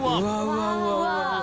うわ。